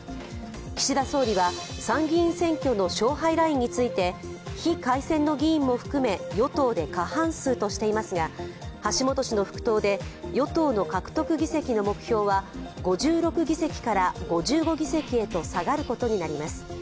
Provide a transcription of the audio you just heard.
岸田総理は参議院選挙の勝敗ラインについて非改選の議員も含め与党で過半数としていますが橋本氏の復党で与党の獲得議席の目標は、５６議席から５５議席へと下がることになります。